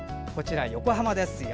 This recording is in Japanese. こちら、横浜です。